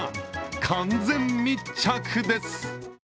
完全密着です。